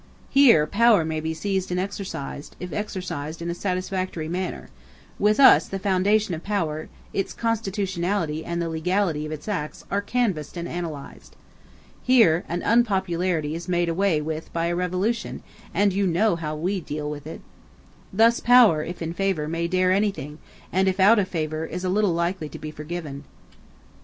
Here power may be seized and exercised, if exercised in a satisfactory manner; with us the foundation of power, its constitutionality and the legality of its acts are canvassed and analyzed. Here an unpopularity is made away with by a revolution, and you know how we deal with it. Thus, power, if in favor, may dare anything, and if out of favor is little likely to be forgiven." .